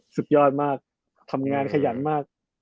สุดยอดมากทำงานขยันมาก